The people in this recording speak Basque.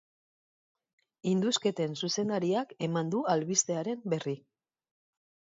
Indusketen zuzendariak eman du albistearen berri.